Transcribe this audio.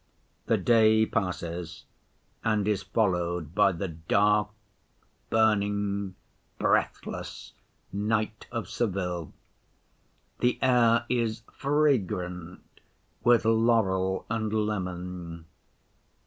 The day passes and is followed by the dark, burning, 'breathless' night of Seville. The air is 'fragrant with laurel and lemon.